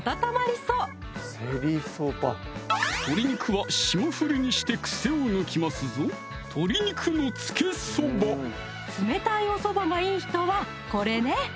そう鶏肉は霜降りにして癖を抜きますぞ冷たいおそばがいい人はこれね！